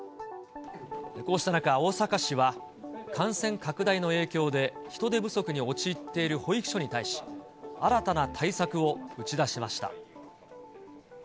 こうした中、大阪市は感染拡大の影響で、人手不足に陥っている保育所に対し、新たな対策を打ち出しました。